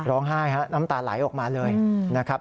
ร้องไห้ฮะน้ำตาไหลออกมาเลยนะครับ